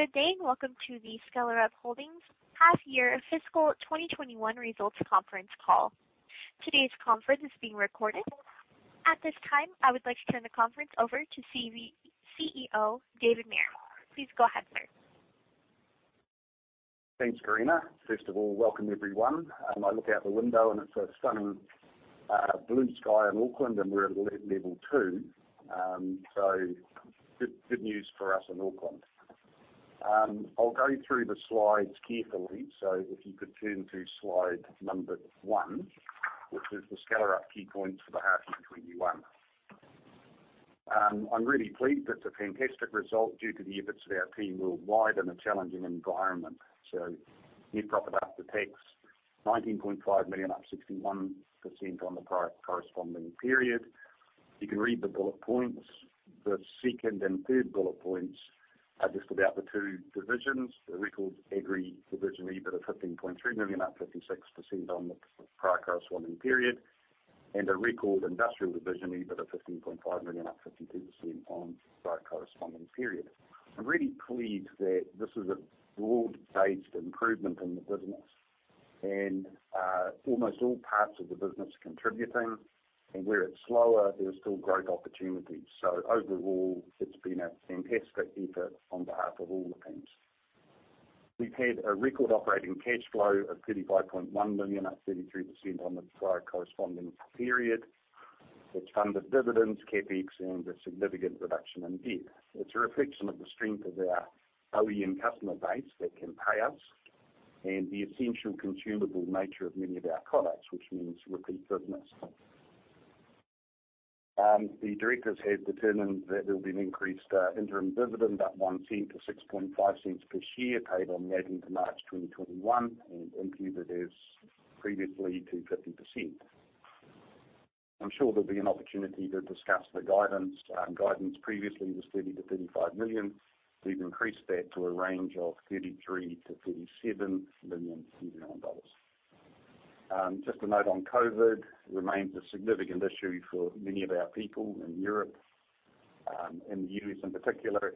Good day. Welcome to the Skellerup Holdings Half Year Fiscal 2021 Results Conference Call. Today's conference is being recorded. At this time, I would like to turn the conference over to CEO, David Mair. Please go ahead, sir. Thanks, Karina. First of all, welcome everyone. I look out the window and it's a stunning blue sky in Auckland, and we're at level two. Good news for us in Auckland. I'll go through the slides carefully. If you could turn to slide number one, which is the Skellerup key points for the half year 21. I'm really pleased. It's a fantastic result due to the efforts of our team worldwide in a challenging environment. Net profit after tax, 19.5 million, up 61% on the prior corresponding period. You can read the bullet points. The second and third bullet points are just about the two divisions. A record Agri division EBITDA of 15.3 million, up 56% on the prior corresponding period. A record Industrial division EBITDA 15.5 million, up 52% on prior corresponding period. I'm really pleased that this is a broad-based improvement in the business. Almost all parts of the business are contributing. Where it's slower, there is still great opportunities. Overall, it's been a fantastic effort on behalf of all the teams. We've had a record operating cash flow of 35.1 million, up 33% on the prior corresponding period, which funded dividends, CapEx, and a significant reduction in debt. It's a reflection of the strength of our OEM customer base that can pay us, and the essential consumable nature of many of our products, which means repeat business. The directors have determined that there'll be an increased interim dividend up 0.01-0.065 per share, paid on the 18th of March 2021, and imputed as previously to 50%. I'm sure there'll be an opportunity to discuss the guidance. Guidance previously was 30 million-35 million. We've increased that to a range of 33 million-37 million New Zealand dollars. Just a note on COVID, remains a significant issue for many of our people in Europe and the U.S. in particular,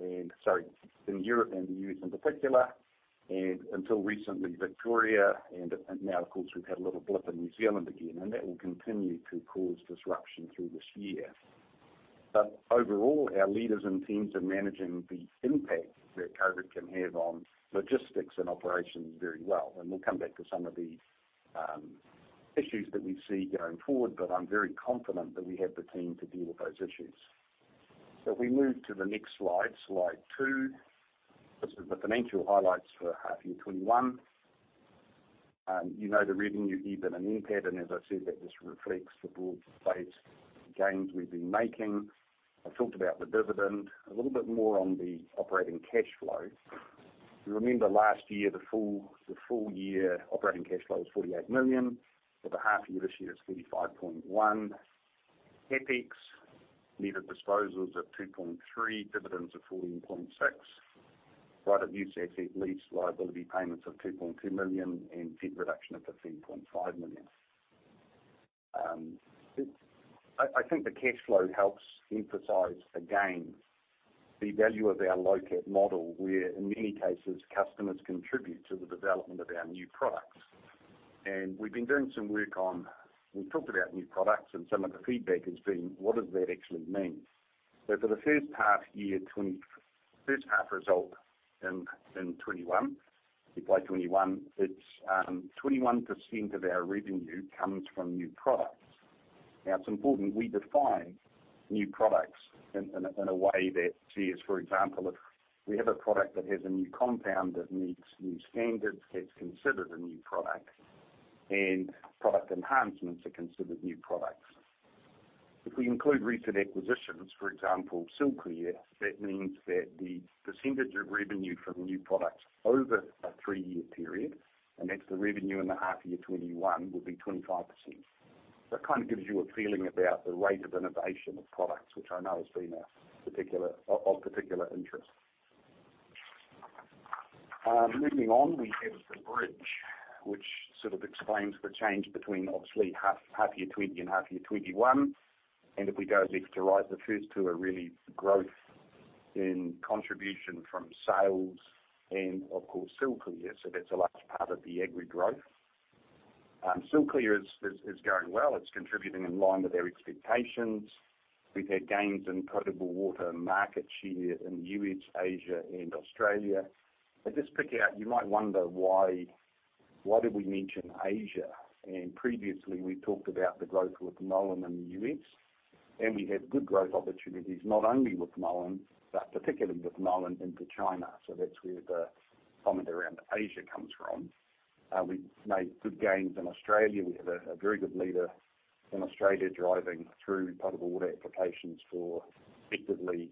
and until recently, Victoria. Now, of course, we've had a little blip in New Zealand again, that will continue to cause disruption through this year. Overall, our leaders and teams are managing the impact that COVID can have on logistics and operations very well. We'll come back to some of the issues that we see going forward. I'm very confident that we have the team to deal with those issues. We move to the next slide two. This is the financial highlights for half year 2021. You know the revenue, EBIT and NPAT, as I said, that just reflects the broad-based gains we've been making. I talked about the dividend. A little bit more on the operating cash flow. You remember last year, the full year operating cash flow was 48 million. For the half year this year, it's 35.1. CapEx, net of disposals of 2.3, dividends of 14.6. Right of use asset lease liability payments of 2.2 million and debt reduction of 15.5 million. I think the cash flow helps emphasize, again, the value of our low CapEx model, where in many cases, customers contribute to the development of our new products. We've been doing some work on, we talked about new products and some of the feedback has been, what does that actually mean? For the first half result in 2021, FY 2021, it's 21% of our revenue comes from new products. It's important we define new products in a way that says, for example, if we have a product that has a new compound that meets new standards, that's considered a new product, and product enhancements are considered new products. If we include recent acquisitions, for example, Silclear, that means that the percentage of revenue from new products over a three-year period, and that's the revenue in the half year 2021, will be 25%. That gives you a feeling about the rate of innovation of products, which I know has been of particular interest. Moving on, we have the bridge, which explains the change between, obviously, half year 2020 and half year 2021. If we go left to right, the first two are really growth in contribution from sales and, of course, Silclear. That's a large part of the Agri growth. Silclear is going well. It's contributing in line with our expectations. We've had gains in potable water market share in the U.S., Asia, and Australia. I'll just pick out, you might wonder why did we mention Asia? Previously, we talked about the growth with Nolato in the U.S. We have good growth opportunities, not only with Nolato, but particularly with Nolato into China. That's where the comment around Asia comes from. We've made good gains in Australia. We have a very good leader in Australia driving through potable water applications for, effectively,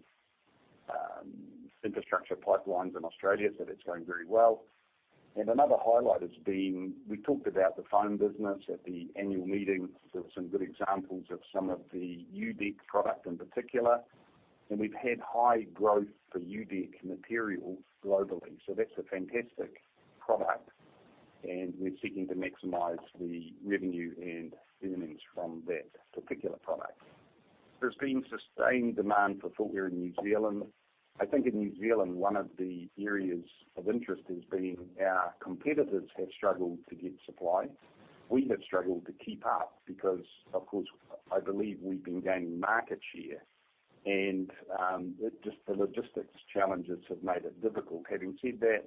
infrastructure pipelines in Australia. That's going very well. Another highlight has been, we talked about the foam business at the annual meeting, so some good examples of some of the U-DEK product in particular. We've had high growth for U-DEK materials globally. That's a fantastic product, and we're seeking to maximize the revenue and earnings from that particular product. There's been sustained demand for footwear in New Zealand. I think in New Zealand, one of the areas of interest has been our competitors have struggled to get supply. We have struggled to keep up because, of course, I believe we've been gaining market share, and just the logistics challenges have made it difficult. Having said that,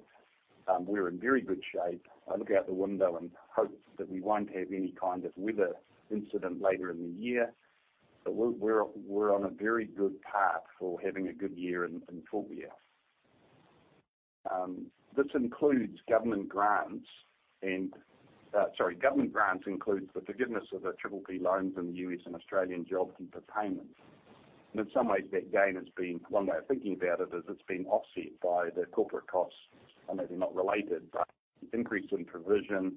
we're in very good shape. I look out the window and hope that we won't have any kind of weather incident later in the year. We're on a very good path for having a good year in footwear. This includes government grants and government grants includes the forgiveness of the PPP loans in the U.S. and Australian JobKeeper payments. In some ways, that gain has been, one way of thinking about it is, it's been offset by the corporate costs. They're not related, but increase in provision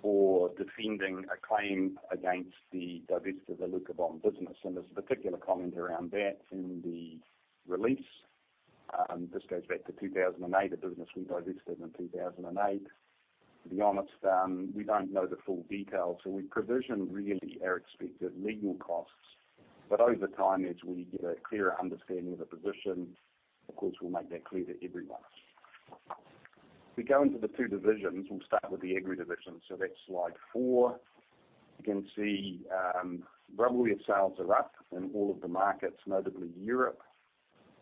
for defending a claim against the divestiture of the Luca Bond business, and there's a particular comment around that in the release. This goes back to 2008, a business we divested in 2008. To be honest, we don't know the full details, so we provision really our expected legal costs. Over time, as we get a clearer understanding of the position, of course, we'll make that clear to everyone. If we go into the two divisions, we'll start with the agri division, so that's slide four. You can see rubberware sales are up in all of the markets, notably Europe,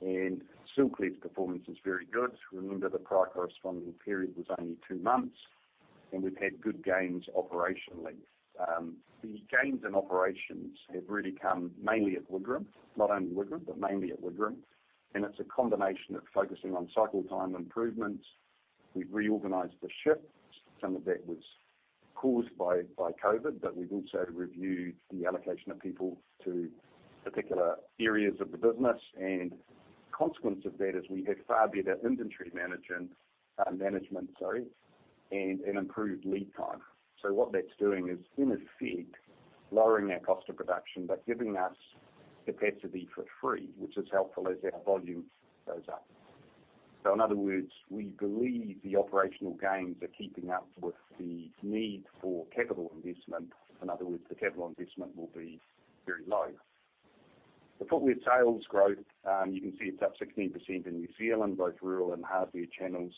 and Silclear's performance is very good. Remember, the prior corresponding period was only two months, and we've had good gains operationally. The gains in operations have really come mainly at Wigram. Not only Wigram, but mainly at Wigram, and it's a combination of focusing on cycle time improvements. We've reorganized the shifts. Some of that was caused by COVID, but we've also reviewed the allocation of people to particular areas of the business. Consequence of that is we have far better inventory management, sorry, and an improved lead time. What that's doing is, in effect, lowering our cost of production, but giving us capacity for free, which is helpful as our volume goes up. In other words, we believe the operational gains are keeping up with the need for capital investment. In other words, the capital investment will be very low. The footwear sales growth, you can see it's up 16% in New Zealand, both rural and hardware channels.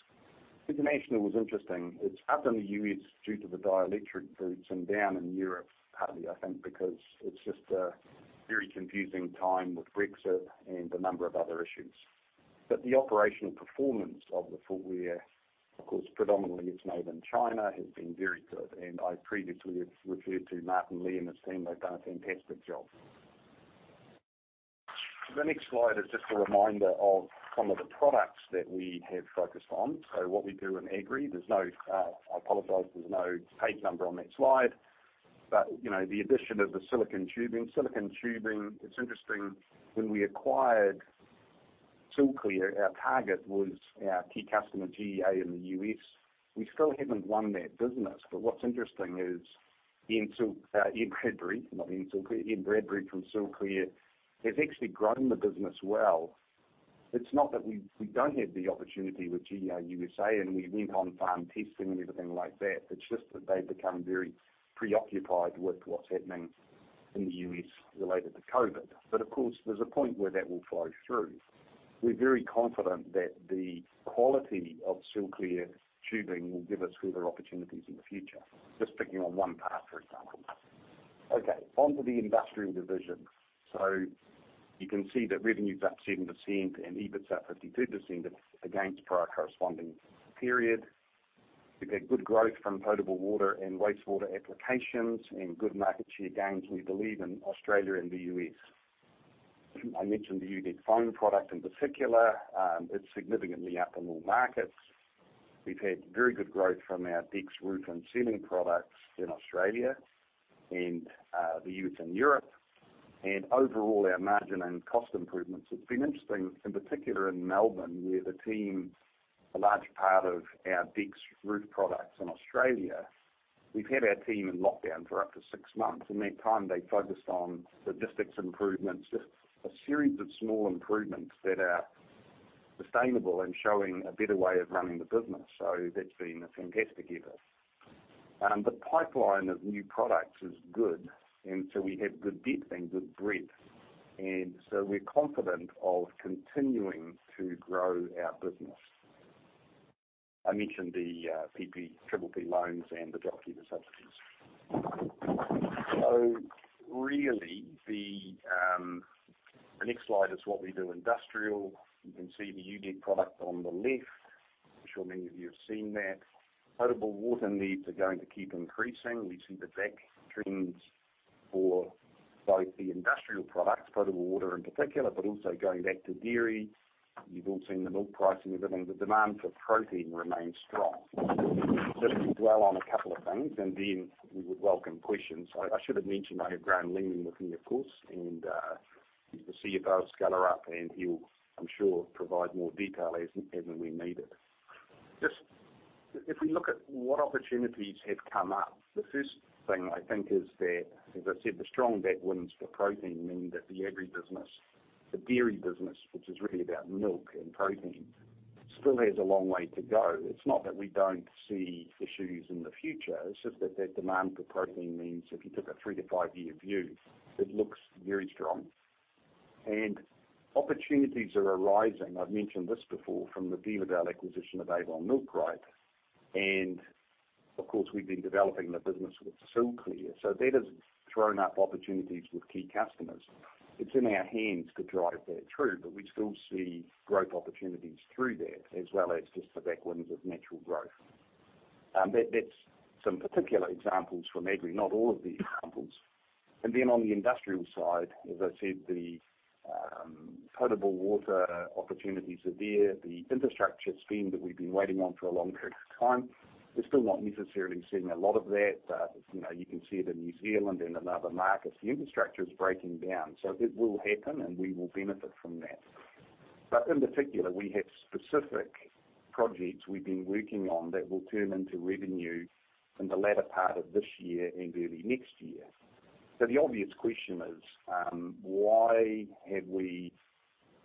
International was interesting. It's up in the U.S. due to the dielectric boots and down in Europe, partly, I think because it's just a very confusing time with Brexit and a number of other issues. The operational performance of the footwear, of course, predominantly it's made in China, has been very good. I previously have referred to Martin Li and his team, they've done a fantastic job. The next slide is just a reminder of some of the products that we have focused on. What we do in agri, there's no I apologize, there's no page number on that slide. The addition of the silicone tubing. Silicon tubing, it's interesting. When we acquired Silclear, our target was our key customer, GEA, in the U.S. We still haven't won that business, but what's interesting is Ian Bradbury from Silclear has actually grown the business well. It's not that we don't have the opportunity with GEA USA and we went on farm testing and everything like that, it's just that they've become very preoccupied with what's happening in the U.S. related to COVID. Of course, there's a point where that will flow through. We're very confident that the quality of Silclear tubing will give us further opportunities in the future. Just picking on one path, for example. Okay, onto the industrial division. You can see that revenue's up 7% and EBIT's up 52% against prior corresponding period. We've had good growth from potable water and wastewater applications and good market share gains, we believe, in Australia and the U.S. I mentioned the U-DEK foam product in particular. It's significantly up in all markets. We've had very good growth from our DEKS roof and sealing products in Australia and the U.S. and Europe. Overall, our margin and cost improvements, it's been interesting, in particular in Melbourne, where the team, a large part of our DEKS roof products in Australia, we've had our team in lockdown for up to six months. In that time, they focused on logistics improvements, just a series of small improvements that are sustainable and showing a better way of running the business. That's been a fantastic effort. The pipeline of new products is good, we have good depth and good breadth. We're confident of continuing to grow our business. I mentioned the PPP loans and the JobKeeper subsidies. Really, the next slide is what we do industrial. You can see the U-DEK product on the left. I'm sure many of you have seen that. Potable water needs are going to keep increasing. We see the back trends for both the industrial products, potable water in particular, but also going back to dairy. You've all seen the milk price and everything. The demand for protein remains strong. To dwell on a couple of things, then we would welcome questions. I should have mentioned I have Graham Leaming with me, of course. You can see if I'll Skellerup and he'll, I'm sure, provide more detail as and when needed. If we look at what opportunities have come up, the first thing I think is that, as I said, the strong backwinds for protein mean that the agribusiness, the dairy business, which is really about milk and protein still has a long way to go. It's not that we don't see issues in the future, it's just that that demand for protein means if you took a three to five-year view, it looks very strong. Opportunities are arising, I've mentioned this before from the Viva Dale acquisition of Avon Milk, right? Of course, we've been developing the business with Silclear. That has thrown up opportunities with key customers. It's in our hands to drive that through, but we still see growth opportunities through that as well as just the back winds of natural growth. That's some particular examples from Agri, not all of the examples. Then on the industrial side, as I said, the potable water opportunities are there. The infrastructure scheme that we've been waiting on for a long period of time, we're still not necessarily seeing a lot of that. You can see it in New Zealand and in other markets. The infrastructure is breaking down. It will happen, and we will benefit from that. In particular, we have specific projects we've been working on that will turn into revenue in the latter part of this year and early next year. The obvious question is, why have we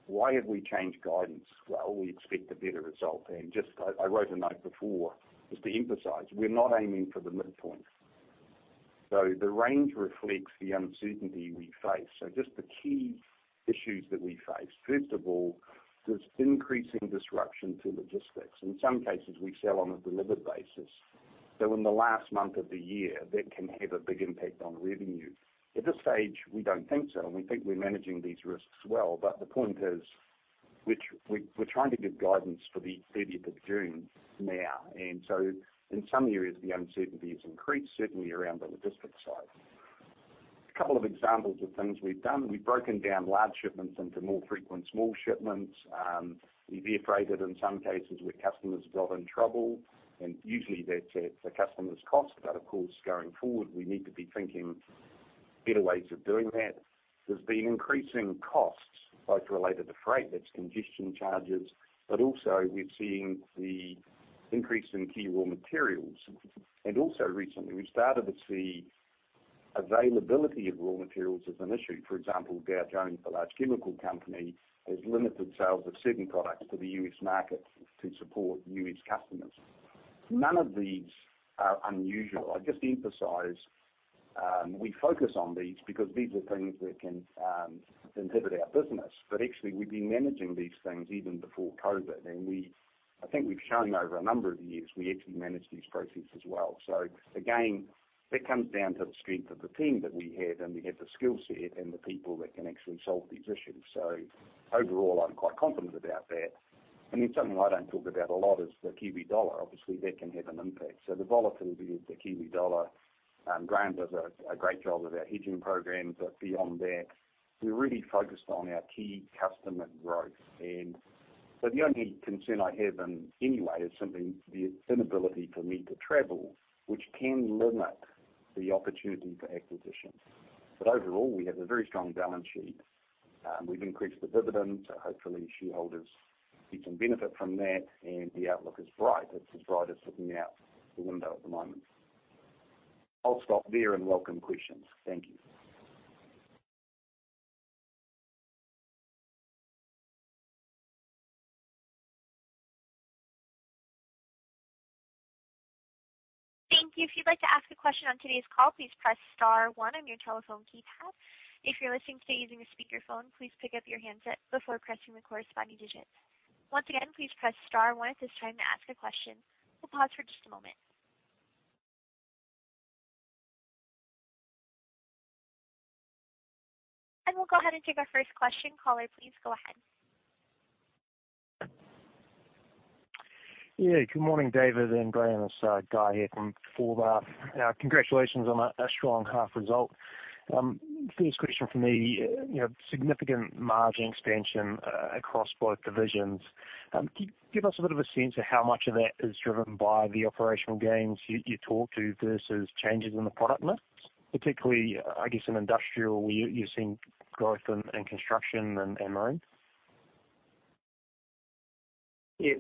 changed guidance? Well, we expect a better result. I wrote a note before just to emphasize, we're not aiming for the midpoint. The range reflects the uncertainty we face. Just the key issues that we face, first of all, there's increasing disruption to logistics. In some cases, we sell on a delivered basis. In the last month of the year, that can have a big impact on revenue. At this stage, we don't think so, and we think we're managing these risks well. The point is, which we're trying to give guidance for the 30th of June now. In some areas, the uncertainty has increased, certainly around the logistics side. A couple of examples of things we've done. We've broken down large shipments into more frequent small shipments. We've air freighted in some cases where customers got in trouble, and usually that's at the customer's cost. Of course, going forward, we need to be thinking better ways of doing that. There's been increasing costs both related to freight, that's congestion charges, but also we're seeing the increase in key raw materials. Recently, we started to see availability of raw materials as an issue. For example, Dow, the large chemical company, has limited sales of certain products to the U.S. market to support U.S. customers. None of these are unusual. I just emphasize we focus on these because these are things that can inhibit our business. Actually, we've been managing these things even before COVID. I think we've shown over a number of years, we actually manage these processes well. Again, that comes down to the strength of the team that we have, and we have the skill set and the people that can actually solve these issues. Overall, I'm quite confident about that. Something I don't talk about a lot is the New Zealand dollar. Obviously, that can have an impact. The volatility of the New Zealand dollar, Graham does a great job of our hedging programs. Beyond that, we're really focused on our key customer growth. The only concern I have in any way is simply the inability for me to travel, which can limit the opportunity for acquisitions. Overall, we have a very strong balance sheet. We've increased the dividend, so hopefully shareholders see some benefit from that, and the outlook is bright. It's as bright as looking out the window at the moment. I'll stop there and welcome questions. Thank you. Thank you. If you'd like to ask a question on today's call, please press star one on your telephone keypad. If you're listening today using a speakerphone, please pick up your handset before pressing the corresponding digits. Once again, please press star one at this time to ask a question. We'll pause for just a moment. We'll go ahead and take our first question. Caller, please go ahead. Yeah. Good morning, David and Graham. It's Guy here from Forsyth Barr. Congratulations on a strong half result. First question from me, significant margin expansion across both divisions. Can you give us a bit of a sense of how much of that is driven by the operational gains you talked to versus changes in the product mix? Particularly, I guess in industrial, where you're seeing growth in construction and mines. Yeah.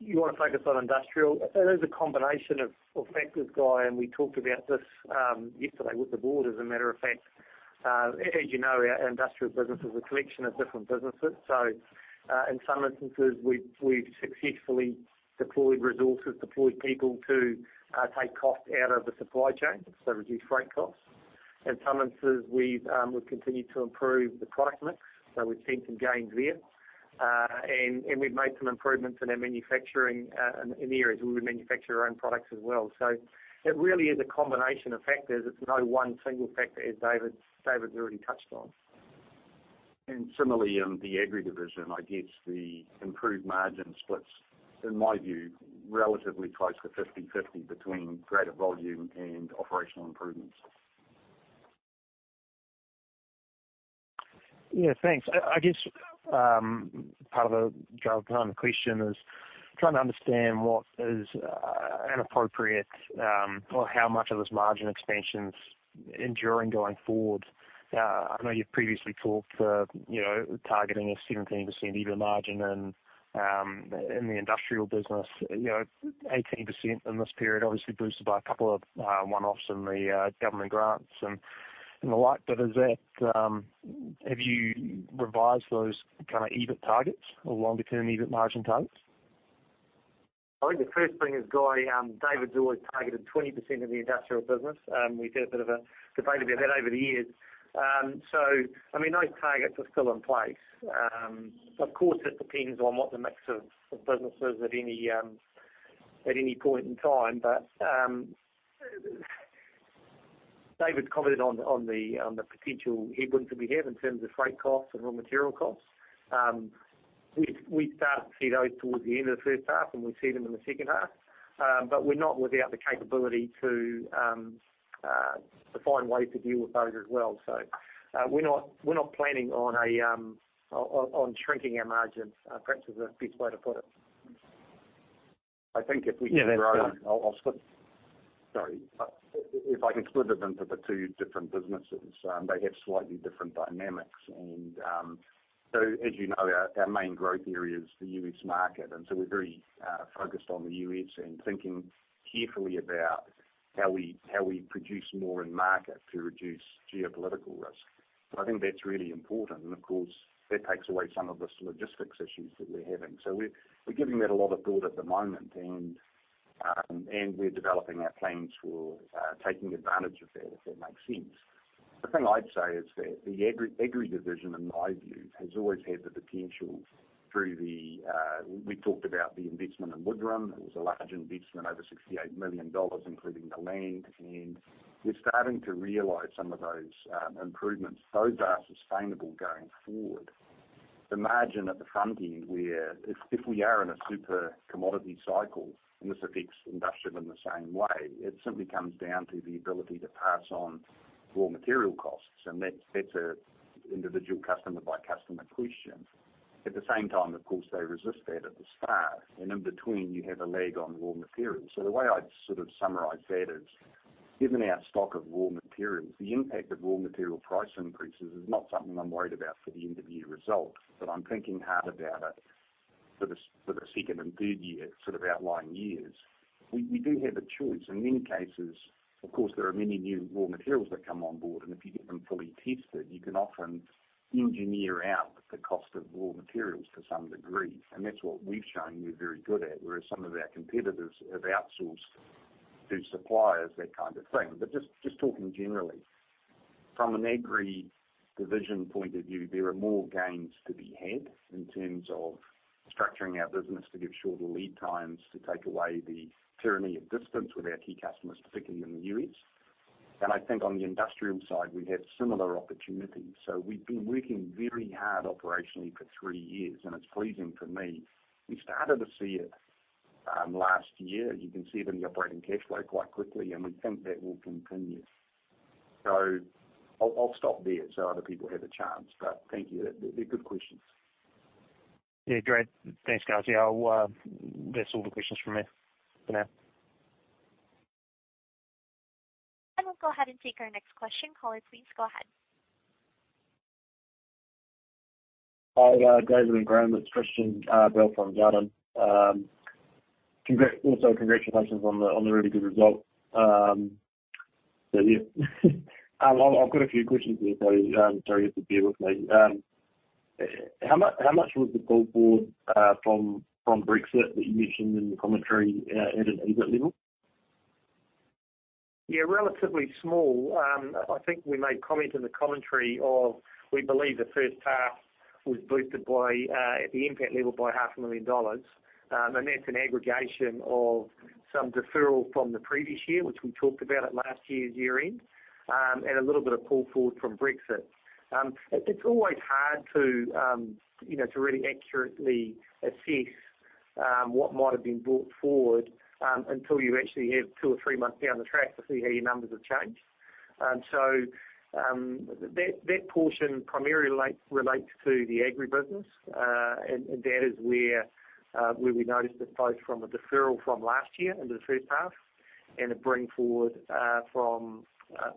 You want to focus on industrial. It is a combination of factors, Guy, and we talked about this yesterday with the board, as a matter of fact. As you know, our industrial business is a collection of different businesses. In some instances, we've successfully deployed resources, deployed people to take cost out of the supply chain, so reduced freight costs. In some instances, we've continued to improve the product mix, so we've seen some gains there. We've made some improvements in our manufacturing in the areas where we manufacture our own products as well. It really is a combination of factors. It's no one single factor, as David's already touched on. Similarly, in the agri division, I guess the improved margin splits, in my view, relatively close to 50/50 between greater volume and operational improvements. Yeah, thanks. I guess, part of the question is trying to understand what is an appropriate or how much of this margin expansion is enduring going forward. I know you've previously talked for targeting a 17% EBIT margin in the industrial business. 18% in this period, obviously boosted by a couple of one-offs in the government grants and the like. Have you revised those kind of EBIT targets or longer-term EBIT margin targets? I think the first thing is, Guy, David always targeted 20% of the industrial business. We've had a bit of a debate about that over the years. Those targets are still in place. Of course, it depends on what the mix of business is at any point in time. David commented on the potential headwinds that we have in terms of freight costs and raw material costs. We start to see those towards the end of the first half, and we see them in the second half. We're not without the capability to find ways to deal with those as well. We're not planning on shrinking our margins, perhaps, is the best way to put it. Yeah, that's fair. I think if we can grow, Sorry. If I can split it into the two different businesses, they have slightly different dynamics. As you know, our main growth area is the U.S. market. We're very focused on the U.S. and thinking carefully about how we produce more in market to reduce geopolitical risk. I think that's really important. Of course, that takes away some of the logistics issues that we're having. We're giving that a lot of thought at the moment and we're developing our plans for taking advantage of that, if that makes sense. The thing I'd say is that the agri division, in my view, has always had the potential through the We talked about the investment in Wigram. It was a large investment, over 68 million dollars, including the land, and we're starting to realize some of those improvements. Those are sustainable going forward. The margin at the front end, where if we are in a super commodity cycle, and this affects industrial in the same way, it simply comes down to the ability to pass on raw material costs, and that's an individual customer by customer question. At the same time, of course, they resist that at the start. In between, you have a lag on raw materials. The way I'd sort of summarize that is, given our stock of raw materials, the impact of raw material price increases is not something I'm worried about for the end-of-year result. I'm thinking hard about it for the second and third year, sort of outlying years. We do have a choice. In many cases, of course, there are many new raw materials that come on board, and if you get them fully tested, you can often engineer out the cost of raw materials to some degree. That's what we've shown we're very good at, whereas some of our competitors have outsourced to suppliers, that kind of thing. Just talking generally. From an agri division point of view, there are more gains to be had in terms of structuring our business to give shorter lead times to take away the tyranny of distance with our key customers, particularly in the U.S. I think on the industrial side, we have similar opportunities. We've been working very hard operationally for three years, and it's pleasing for me. We started to see it last year. You can see it in the operating cash flow quite quickly. We think that will continue. I'll stop there so other people have a chance. Thank you. They're good questions. Great. Thanks, guys. That's all the questions from me for now. We'll go ahead and take our next question. Caller, please go ahead. Hi, guys. David and Graham. It's Christian Bell from Jarden. Congratulations on the really good result. I've got a few questions here, so you'll have to bear with me. How much was the pull forward from Brexit that you mentioned in the commentary at an EBIT level? Yeah, relatively small. I think we made comment in the commentary of, we believe the first half was boosted at the impact level by half a million dollar. That's an aggregation of some deferral from the previous year, which we talked about at last year's year-end, and a little bit of pull forward from Brexit. It's always hard to really accurately assess what might have been brought forward until you actually have two or three months down the track to see how your numbers have changed. That portion primarily relates to the agri business, and that is where we noticed it, both from a deferral from last year into the first half and a bring forward from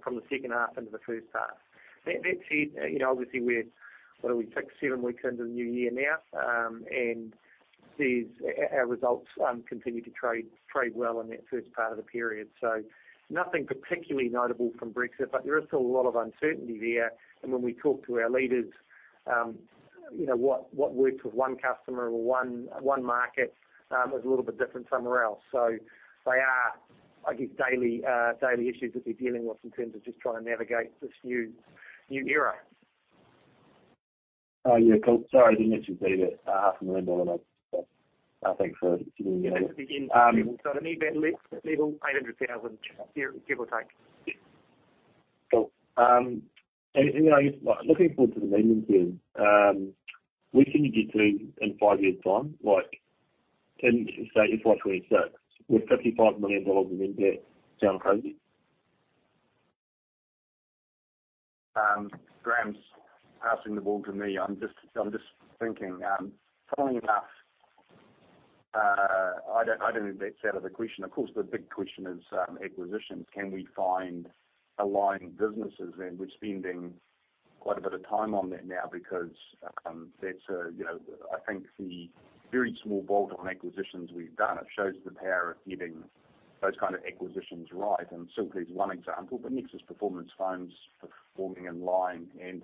the second half into the first half. That said, obviously what are we? Six, seven weeks into the new year now, our results continue to trade well in that first part of the period. Nothing particularly notable from Brexit, there is still a lot of uncertainty there. When we talk to our leaders, what works with one customer or one market is a little bit different somewhere else. They are, I guess, daily issues that they're dealing with in terms of just trying to navigate this new era. Yeah, cool. Sorry, I didn't mention either half a million dollar I think for giving me that. At an EBIT level, [inaudible] give or take. Cool. I guess, looking forward to the medium term, where can you get to in five years' time? Like, say in FY 2026, would NZD 55 million in EBIT sound crazy? Graham's passing the ball to me. I'm just thinking. Funnily enough, I don't think that's out of the question. Of course, the big question is acquisitions. Can we find aligned businesses? We're spending quite a bit of time on that now because I think the very small bolt-on acquisitions we've done, it shows the power of getting those kind of acquisitions right. Silclear is one example, but Nexus Performance Foams performing in line, and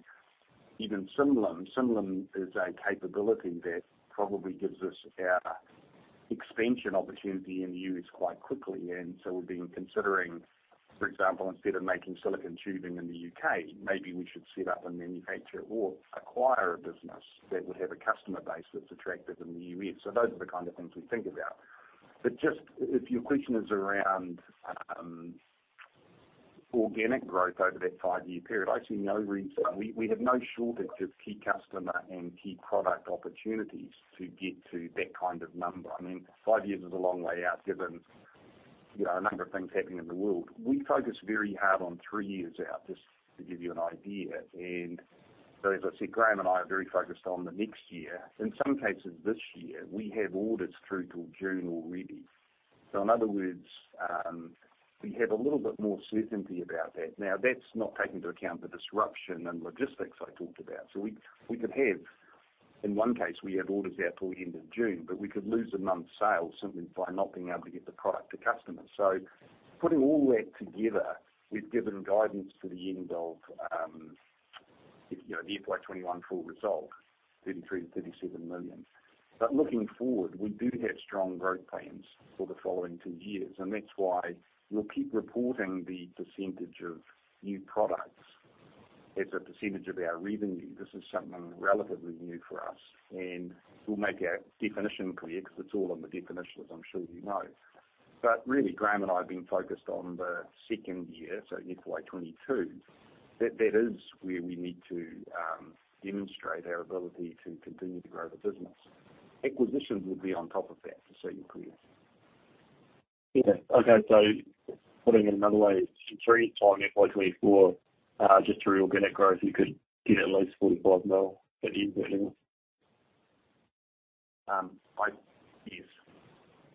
even Silclear. Silclear is a capability that probably gives us our expansion opportunity in the U.S. quite quickly. We've been considering, for example, instead of making silicon tubing in the U.K., maybe we should set up and manufacture or acquire a business that would have a customer base that's attractive in the U.S. Those are the kind of things we think about. If your question is around organic growth over that five-yea r period, we have no shortage of key customer and key product opportunities to get to that kind of number. Five years is a long way out, given a number of things happening in the world. We focus very hard on three years out, just to give you an idea. As I said, Graham and I are very focused on the next year. In some cases, this year, we have orders through till June already. In other words, we have a little bit more certainty about that. Now, that's not taking into account the disruption in logistics I talked about. We could have, in one case, we have orders out till the end of June, but we could lose a month's sale simply by not being able to get the product to customers. Putting all that together, we've given guidance for the end of the FY 2021 full result, 33 million-37 million. Looking forward, we do have strong growth plans for the following two years, and that's why we'll keep reporting the percentage of new products as a percentage of our revenue. This is something relatively new for us, and we'll make our definition clear, because it's all on the definitions, I'm sure you know. Really, Graham and I have been focused on the second year, so FY 2022. That is where we need to demonstrate our ability to continue to grow the business. Acquisitions would be on top of that, just so you're clear. Yeah. Okay. Putting it another way, in three years' time, FY 2024, just through organic growth, you could get at least 45 million for the year's revenue? By years.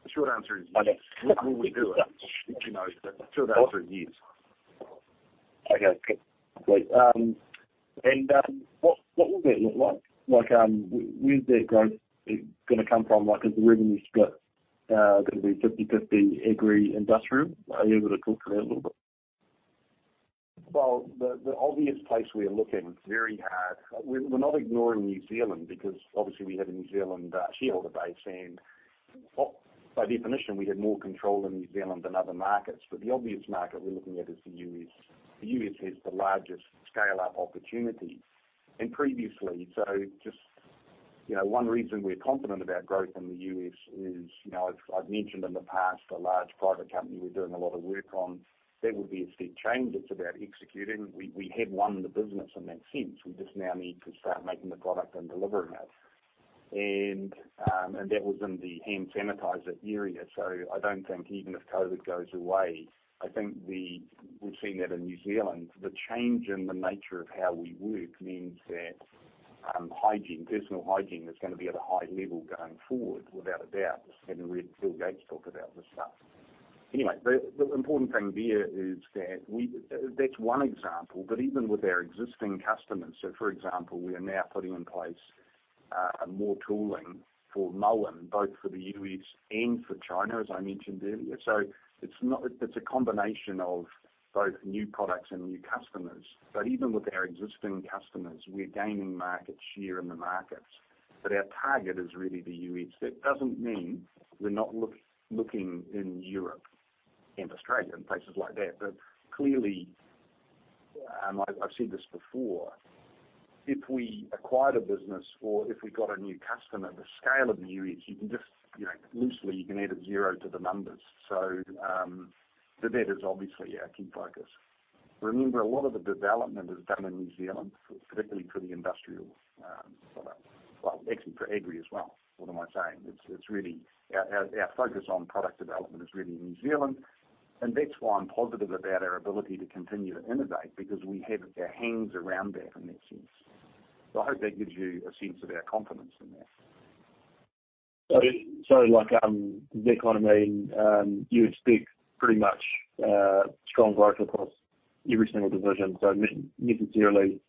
The short answer is yes. We will do it. The short answer is yes. Okay, cool. Great. What will that look like? Where is that growth going to come from? Is the revenue split going to be 50/50 agri, industrial? Are you able to talk to that a little bit? The obvious place we are looking very hard, we're not ignoring New Zealand, because obviously we have a New Zealand shareholder base, and by definition, we have more control in New Zealand than other markets. The obvious market we're looking at is the U.S. The U.S. has the largest scale-up opportunity. Previously, just one reason we're confident about growth in the U.S. is, I've mentioned in the past, a large private company we're doing a lot of work on, that would be a step change. It's about executing. We have won the business in that sense. We just now need to start making the product and delivering it. That was in the hand sanitizer area, so I don't think even if COVID goes away, I think we've seen that in New Zealand, the change in the nature of how we work means that hygiene, personal hygiene, is going to be at a high level going forward, without a doubt, just having read Bill Gates talk about this stuff. Anyway, the important thing there is that that's one example. Even with our existing customers, so for example, we are now putting in place more tooling for Moen, both for the U.S. and for China, as I mentioned earlier. It's a combination of both new products and new customers. Even with our existing customers, we're gaining market share in the markets. Our target is really the U.S. That doesn't mean we're not looking in Europe and Australia and places like that. Clearly, and I've said this before, if we acquired a business or if we got a new customer, the scale of the U.S., loosely, you can add a zero to the numbers. That is obviously our key focus. Remember, a lot of the development is done in New Zealand, particularly for the industrial products. Well, actually for agri as well. What am I saying? Our focus on product development is really in New Zealand, and that's why I'm positive about our ability to continue to innovate, because we have our hands around that in that sense. I hope that gives you a sense of our confidence in that. Like, does that mean you expect pretty much strong growth across every single division? Necessarily,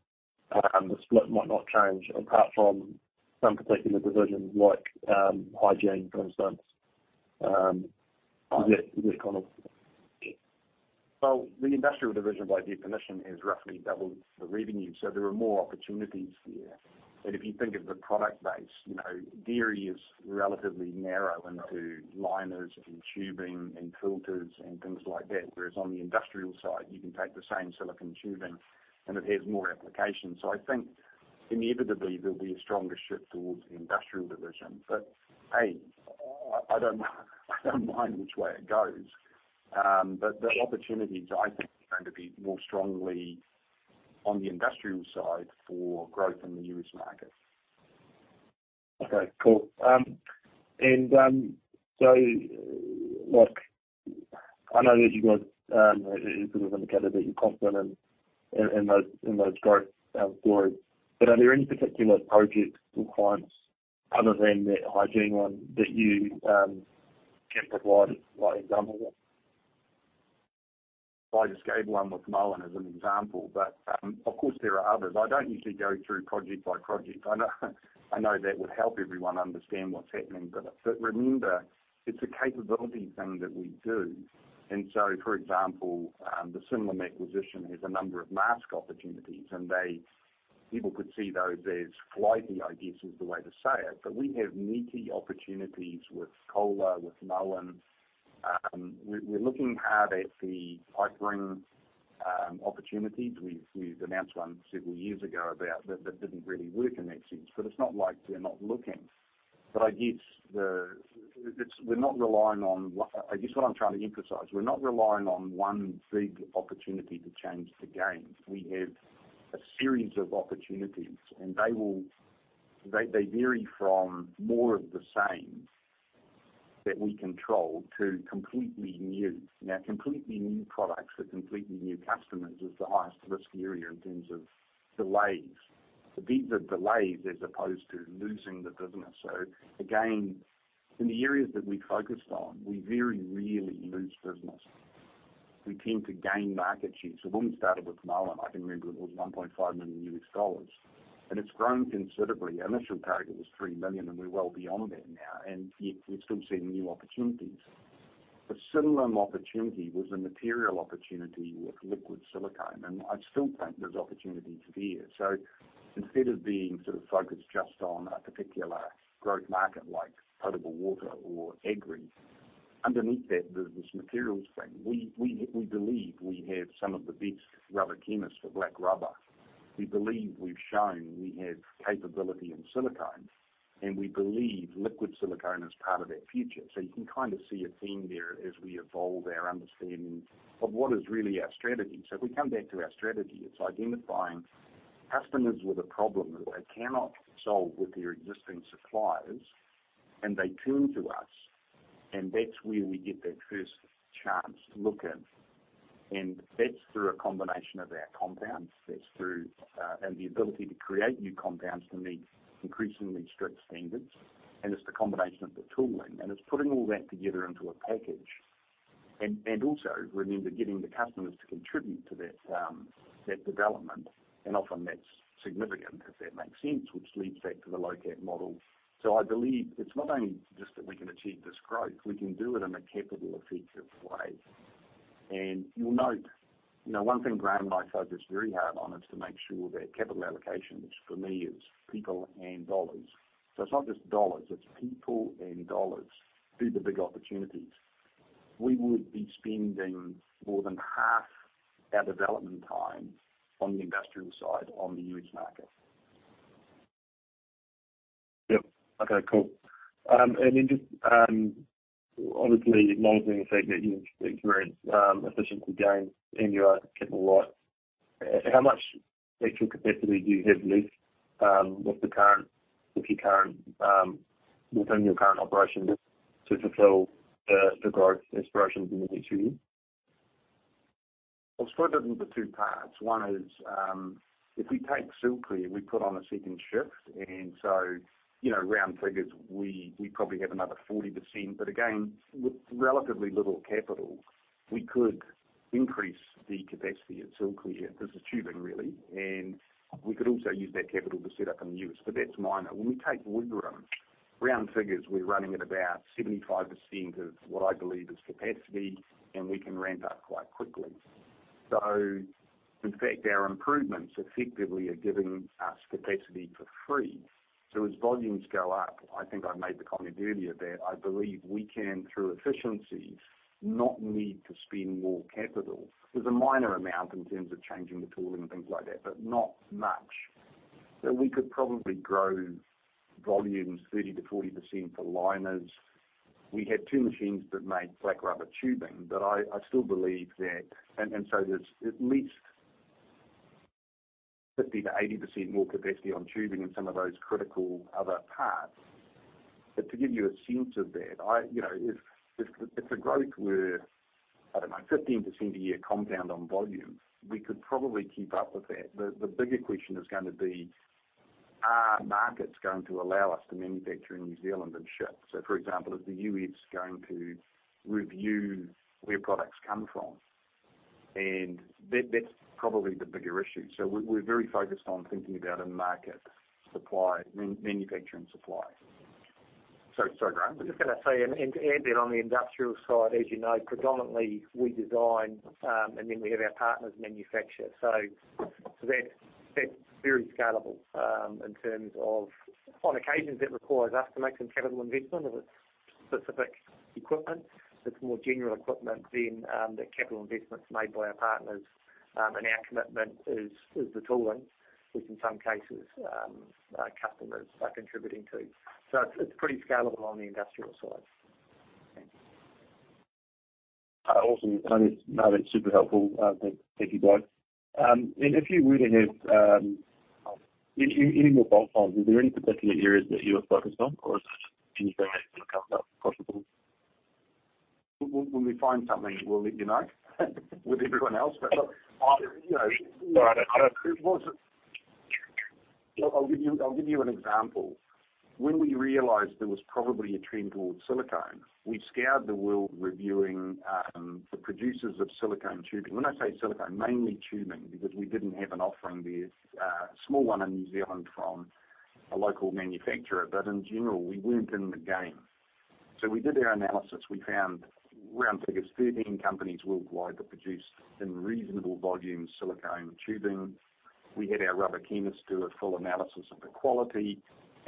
the split might not change apart from some particular divisions like hygiene, for instance? Is that correct? Well, the industrial division, by definition, is roughly double the revenue. There are more opportunities there. If you think of the product base, dairy is relatively narrow into liners and tubing and filters and things like that. Whereas on the industrial side, you can take the same silicone tubing, and it has more applications. I think inevitably, there'll be a stronger shift towards the industrial division. Hey, I don't mind which way it goes. The opportunities, I think, are going to be more strongly on the industrial side for growth in the U.S. market. Okay, cool. I know that you guys have indicated that you're confident in those growth stories, but are there any particular projects or clients other than that hygiene one that you can provide an example of? I just gave one with Moen as an example, but of course, there are others. I don't usually go through project by project. I know that would help everyone understand what's happening, but remember, it's a capability thing that we do. For example, the Silclear Technic acquisition has a number of mask opportunities, and people could see those as flighty, I guess, is the way to say it. We have meaty opportunities with Kohler, with Moen. We're looking hard at the pipe ring opportunities. We've announced one several years ago that didn't really work in that sense, but it's not like we're not looking. I guess what I'm trying to emphasize, we're not relying on one big opportunity to change the game. We have a series of opportunities, and they vary from more of the same that we control to completely new. Completely new products for completely new customers is the highest risk area in terms of delays. It'd be the delays as opposed to losing the business. Again, in the areas that we focused on, we very rarely lose business. We tend to gain market share. When we started with Moen, I can remember it was $1.5 million, and it's grown considerably. Our initial target was 3 million, and we're well beyond that now, and yet we're still seeing new opportunities. The Silclear opportunity was a material opportunity with liquid silicone, and I still think there's opportunities there. Instead of being focused just on a particular growth market like potable water or agri, underneath that, there's this materials thing. We believe we have some of the best rubber chemists for black rubber. We believe we've shown we have capability in silicone, and we believe liquid silicone is part of that future. You can kind of see a theme there as we evolve our understanding of what is really our strategy. If we come back to our strategy, it's identifying customers with a problem that they cannot solve with their existing suppliers, and they turn to us, and that's where we get that first chance to look at. That's through a combination of our compounds. That's through the ability to create new compounds to meet increasingly strict standards, and it's the combination of the tooling, and it's putting all that together into a package. Also remember getting the customers to contribute to that development. Often that's significant, if that makes sense, which leads back to the low-cap model. I believe it's not only just that we can achieve this growth, we can do it in a capital-effective way. You'll note, one thing Graham and I focus very hard on is to make sure that capital allocation, which for me is people and dollars. It's not just dollars, it's people and dollars through the big opportunities. We would be spending more than half our development time on the industrial side, on the U.S. market. Yep. Okay, cool. Just honestly monitoring the fact that you're experiencing efficiency gains and you are capital light, how much extra capacity do you have left within your current operations to fulfill the growth aspirations in the future years? I'll split it into two parts. One is, if we take Silclear, we put on a second shift, round figures, we probably have another 40%. Again, with relatively little capital, we could increase the capacity at Silclear. This is tubing, really. We could also use that capital to set up in the U.S., that's minor. When we take Wigram, round figures, we're running at about 75% of what I believe is capacity, we can ramp up quite quickly. In fact, our improvements effectively are giving us capacity for free. As volumes go up, I think I made the comment earlier that I believe we can, through efficiencies, not need to spend more capital. There's a minor amount in terms of changing the tooling and things like that, not much. We could probably grow volumes 30%-40% for liners. We had two machines that made black rubber tubing. I still believe that there's at least 50%-80% more capacity on tubing and some of those critical other parts. To give you a sense of that, if the growth were, I don't know, 15% a year compound on volume, we could probably keep up with that. The bigger question is going to be, are markets going to allow us to manufacture in New Zealand and ship? For example, is the U.S. going to review where products come from? That's probably the bigger issue. We're very focused on thinking about a market supply, manufacturing supply. Sorry, Graham. I'm just going to say, and to add that on the industrial side, as you know, predominantly we design, and then we have our partners manufacture. That's very scalable in terms of on occasions, it requires us to make some capital investment of a specific equipment. If it's more general equipment, then the capital investment's made by our partners, and our commitment is the tooling, which in some cases, customers are contributing to. It's pretty scalable on the industrial side. Awesome. No, that's super helpful. Thank you, guys. If you were to have, in your bolt holes, is there any particular areas that you are focused on, or is it anything that comes up possible? When we find something, we'll let you know with everyone else. I'll give you an example. When we realized there was probably a trend towards silicone, we scoured the world reviewing the producers of silicone tubing. When I say silicone, mainly tubing, because we didn't have an offering there. A small one in New Zealand from a local manufacturer. In general, we weren't in the game. We did our analysis. We found around 13 companies worldwide that produced, in reasonable volumes, silicone tubing. We had our rubber chemist do a full analysis of the quality.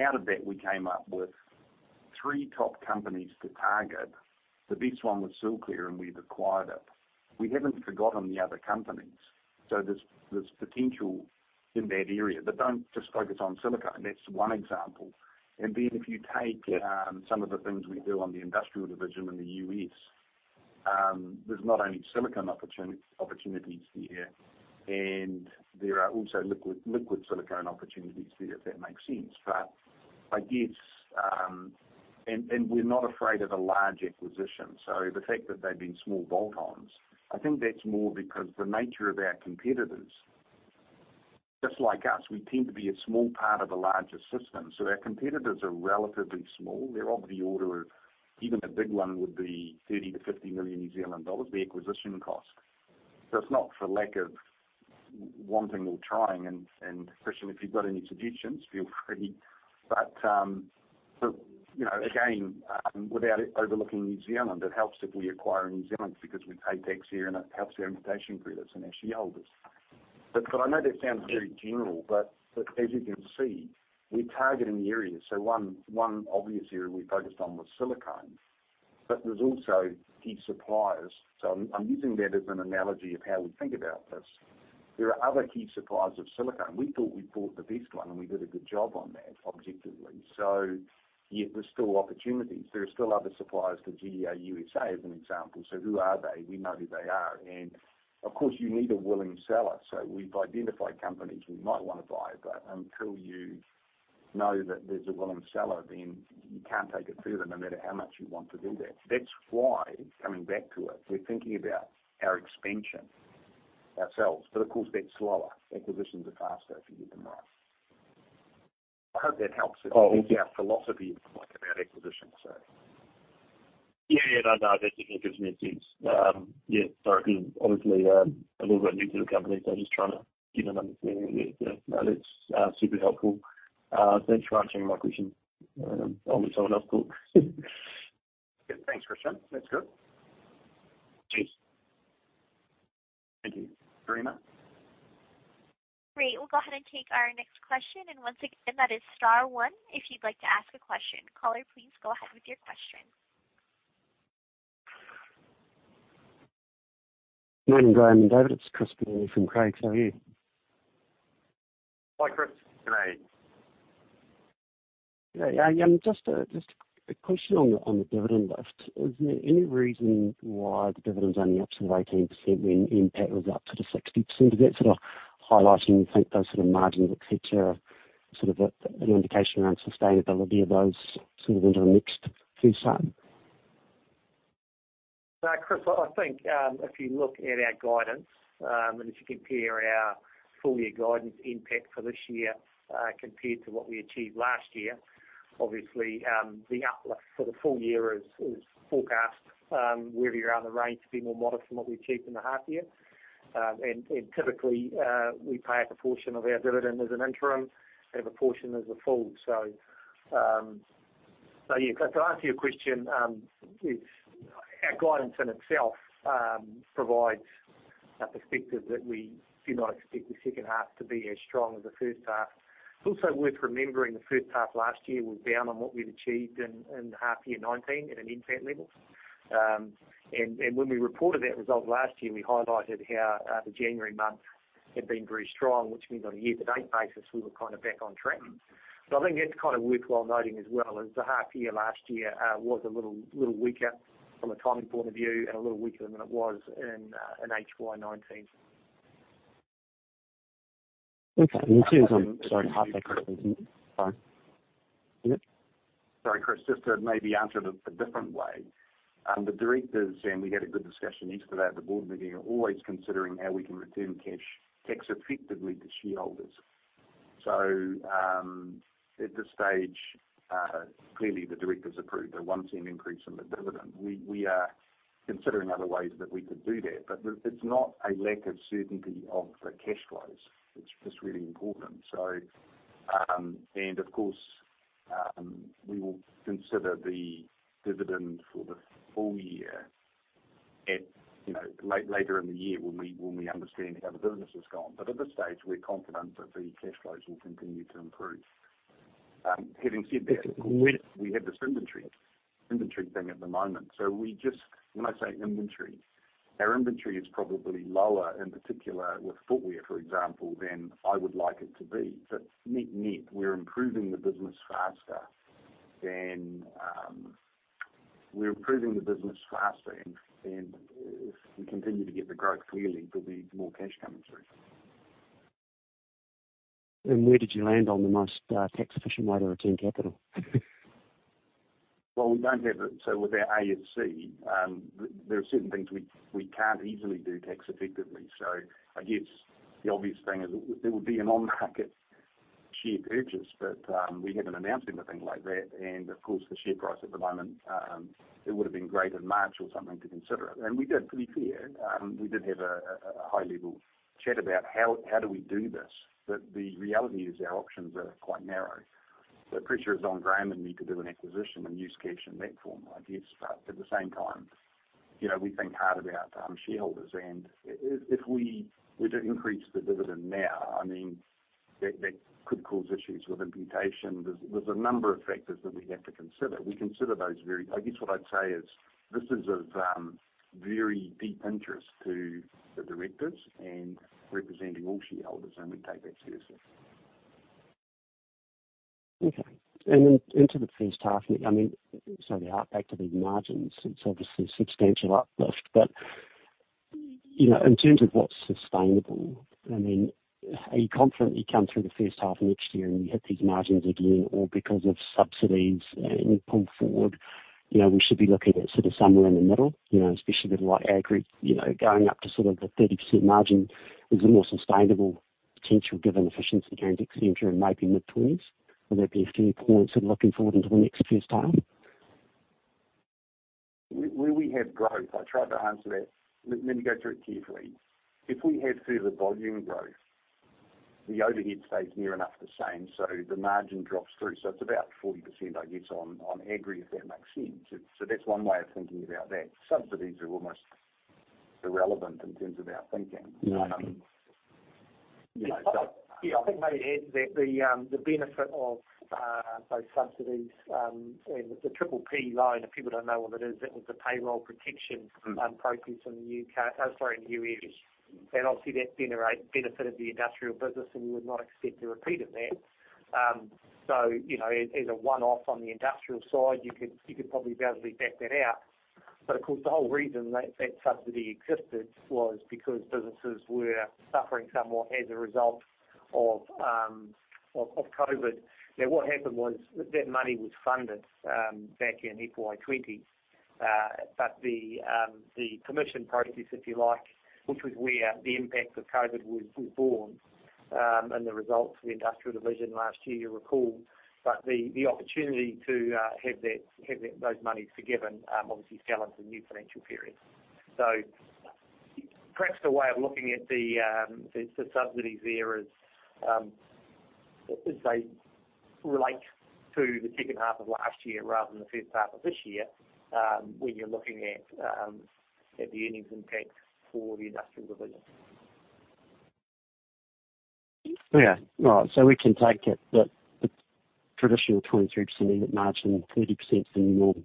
Out of that, we came up with three top companies to target. The best one was Silclear, and we've acquired it. We haven't forgotten the other companies. There's potential in that area, but don't just focus on silicone. That's one example. If you take some of the things we do on the industrial division in the U.S., there's not only silicone opportunities there are also liquid silicone opportunities there, if that makes sense. We're not afraid of a large acquisition. The fact that they've been small bolt-ons, I think that's more because the nature of our competitors, just like us, we tend to be a small part of a larger system. Our competitors are relatively small. They're of the order of, even a big one would be 30 million-50 million New Zealand dollars, the acquisition cost. It's not for lack of wanting or trying, Christian, if you've got any suggestions, feel free. Again, without overlooking New Zealand, it helps if we acquire in New Zealand because we pay tax here, and it helps our imputation credits and our shareholders. I know that sounds very general, but as you can see, we're targeting the area. One obvious area we focused on was silicone, but there's also key suppliers. I'm using that as an analogy of how we think about this. There are other key suppliers of silicone. We thought we'd bought the best one, and we did a good job on that, objectively. Yeah, there's still opportunities. There are still other suppliers to GEA U.S.A., as an example. Who are they? We know who they are. Of course, you need a willing seller. We've identified companies we might want to buy, but until you know that there's a willing seller, then you can't take it further, no matter how much you want to do that. That's why, coming back to it, we're thinking about our expansion ourselves. Of course, that's slower. Acquisitions are faster if you get them right. I hope that helps. If that's our philosophy about acquisitions. No, that definitely gives me a sense. Sorry, obviously, I'm a little bit new to the company, so I'm just trying to get an understanding. No, that's super helpful. Thanks for answering my question on someone else's call. Good. Thanks, Christian. That's good. Cheers. Thank you very much. Great. We'll go ahead and take our next question, and once again, that is star one if you'd like to ask a question. Caller, please go ahead with your question. Morning, Graham and David. It's Chris Bennie from Craigs. How are you? Hi, Chris. Good day. Yeah. Just a question on the dividend lift. Is there any reason why the dividend's only up sort of 18% when NPAT was up sort of 60%? Is that highlighting, you think, those margins that feature an indication around sustainability of those into the next few years? Chris, I think, if you look at our guidance, if you compare our full year guidance NPAT for this year compared to what we achieved last year, obviously, the uplift for the full year is forecast, whether you're on the range to be more modest than what we achieved in the half year. Typically, we pay a proportion of our dividend as an interim and a portion as a full. To answer your question, our guidance in itself, provides a perspective that we do not expect the second half to be as strong as the first half. It's also worth remembering the first half last year was down on what we'd achieved in half year 2019 at an NPAT level. When we reported that result last year, we highlighted how the January month had been very strong, which means on a year-to-date basis, we were back on track. I think that's worthwhile noting as well as the half year last year was a little weaker from a timing point of view and a little weaker than it was in HY 2019. Okay. Sorry. [inaudible] Sorry, Chris. Just to maybe answer it a different way. The directors, and we had a good discussion yesterday at the board meeting, are always considering how we can return cash tax effectively to shareholders. At this stage, clearly the directors approved a 1c increase in the dividend. We are considering other ways that we could do that, but it's not a lack of certainty of the cash flows. It's just really important. Of course, we will consider the dividend for the full year later in the year when we understand how the business has gone. At this stage, we're confident that the cash flows will continue to improve. Having said that, we have this inventory thing at the moment. When I say inventory, our inventory is probably lower, in particular with footwear, for example, than I would like it to be. Net-net, we're improving the business faster, and if we continue to get the growth, clearly there'll be more cash coming through. Where did you land on the most tax-efficient way to return capital? [inaudible] Without ASX, there are certain things we can't easily do tax effectively. I guess the obvious thing is there would be an on-market share purchase, but we haven't announced anything like that. Of course, the share price at the moment, it would have been great in March or something to consider it. We did, to be fair, we did have a high-level chat about how do we do this. The reality is our options are quite narrow. The pressure is on Graham and me to do an acquisition and use cash in that form, I guess. At the same time, we think hard about shareholders, and if we were to increase the dividend now, that could cause issues with imputation. There's a number of factors that we have to consider. I guess what I'd say is this is of very deep interest to the directors and representing all shareholders, and we take that seriously. Okay. Then into the first half, so to hark back to the margins, it's obviously a substantial uplift. In terms of what's sustainable, are you confident you come through the first half of next year and you hit these margins again? Because of subsidies and pull forward, we should be looking at sort of somewhere in the middle, especially with Agri, going up to sort of the 30% margin is a more sustainable potential given efficiency gains, et cetera, and maybe mid-teens. Will there be a few points looking forward into the next first half? Where we have growth, I tried to answer that. Let me go through it carefully. If we have further volume growth, the overhead stays near enough the same, so the margin drops through. It's about 40%, I guess, on Agri, if that makes sense. That's one way of thinking about that. Subsidies are almost irrelevant in terms of our thinking. Yeah. I think may I add that the benefit of those subsidies, and it's a PPP loan, if people don't know what it is, it was the Paycheck Protection Program in the U.K.-- oh, sorry, in the U.S. Obviously, that benefited the industrial business, and you would not expect a repeat of that. Of course, the whole reason that that subsidy existed was because businesses were suffering somewhat as a result of COVID. What happened was that that money was funded back in FY 2020. The commission process, if you like, which was where the impact of COVID was born, and the results of the industrial division last year recall. The opportunity to have those monies forgiven obviously fell into a new financial period. Perhaps the way of looking at the subsidies there is as they relate to the second half of last year rather than the first half of this year, when you're looking at the earnings impact for the industrial division. Okay. All right. We can take it that the traditional 23% margin and 30% is the new norm.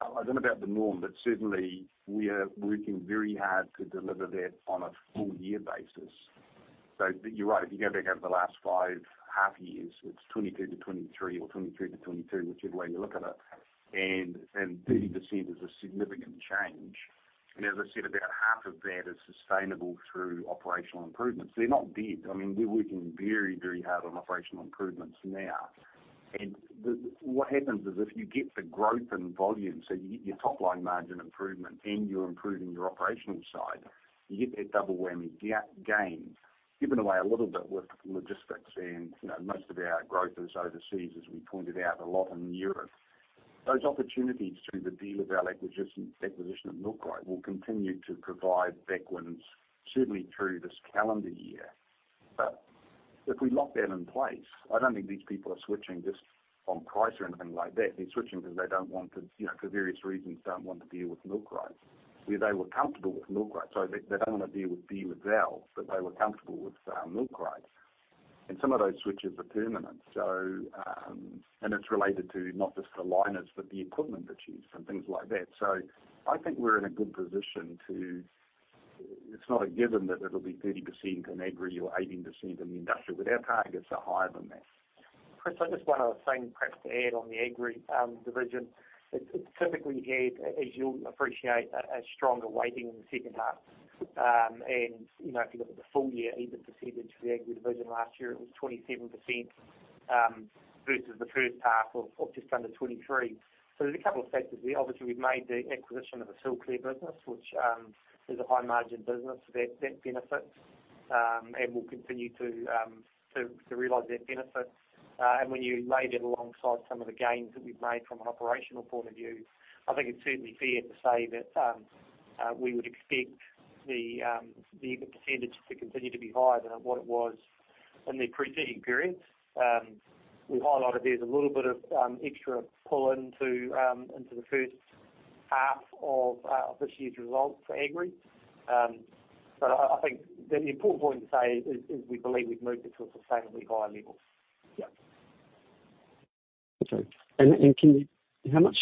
I don't know about the norm, but certainly we are working very hard to deliver that on a full year basis. You're right. If you go back over the last five half years, it's 22-23 or 23-22, whichever way you look at it. 30% is a significant change. As I said, about half of that is sustainable through operational improvements. They're not dead. We're working very hard on operational improvements now. What happens is if you get the growth and volume, so you get your top-line margin improvement, and you're improving your operational side, you get that double whammy gain given away a little bit with logistics and most of our growth is overseas, as we pointed out, a lot in Europe. Those opportunities through the DeLaval acquisition of milkrite will continue to provide back winds, certainly through this calendar year. If we lock that in place, I don't think these people are switching just on price or anything like that. They're switching because they, for various reasons, don't want to deal with milkrite. They don't want to deal with BouMatic, but they were comfortable with milkrite. Some of those switches are permanent. It's related to not just the liners, but the equipment that's used and things like that. I think we're in a good position. It's not a given that it'll be 30% in Agri or 18% in industrial, but our targets are higher than that. Chris, I've just one other thing perhaps to add on the Agri division. It's typically had, as you'll appreciate, a stronger weighting in the second half. If you look at the full year, EBIT percentage for the Agri division last year, it was 27%, versus the first half of just under 23%. There's a couple of factors there. Obviously, we've made the acquisition of the Silclear business, which is a high margin business. That benefits, and we'll continue to realize that benefit. When you lay that alongside some of the gains that we've made from an operational point of view, I think it's certainly fair to say that we would expect the EBIT percentage to continue to be higher than what it was in the preceding period. We highlighted there's a little bit of extra pull into the first half of this year's result for Agri. I think the important point to say is we believe we've moved it to a sustainably higher level. Yeah. Okay. How much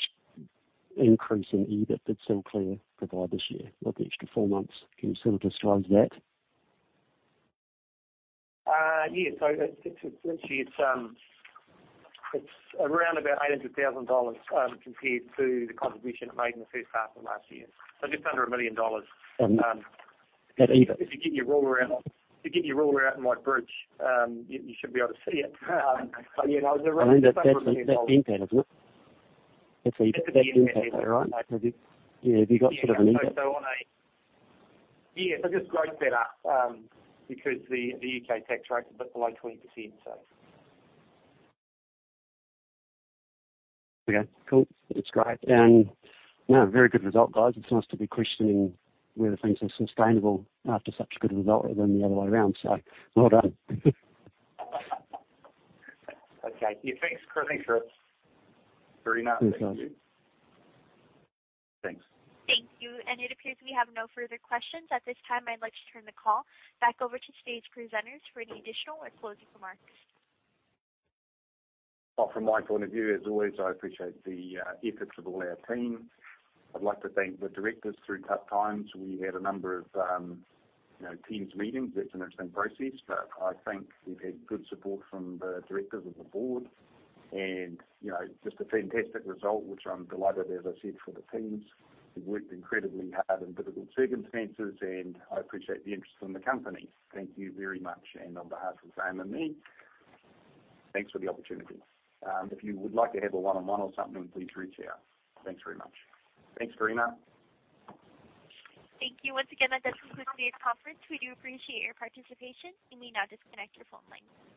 increase in EBIT did Silclear provide this year with the extra four months? Can you sort of disclose that? Yeah. This year it's around about 800,000 dollars compared to the contribution it made in the first half of last year. Just under 1 million dollars. That EBIT. If you get your ruler out in my bridge, you should be able to see it. That's the impact as well. That's the impact, right? That's the EBIT, yeah. Yeah. Have you got sort of an impact? Yeah. I just grossed that up, because the U.K. tax rate is a bit below 20%, so. Okay. Cool. That's great. Very good result, guys. It's nice to be questioning whether things are sustainable after such a good result rather than the other way around. Well done. Okay. Yeah, thanks, Chris. Very nice. Thanks. Thank you. It appears we have no further questions. At this time, I'd like to turn the call back over to today's presenters for any additional or closing remarks. Well, from my point of view, as always, I appreciate the efforts of all our team. I'd like to thank the directors through tough times. We had a number of Teams meetings. That's an interesting process, but I think we've had good support from the directors of the board and just a fantastic result, which I'm delighted, as I said, for the teams, who worked incredibly hard in difficult circumstances, and I appreciate the interest in the company. Thank you very much, and on behalf of Graham and me, thanks for the opportunity. If you would like to have a one-on-one or something, please reach out. Thanks very much. Thanks, Karina. Thank you once again. That does conclude today's conference. We do appreciate your participation. You may now disconnect your phone lines.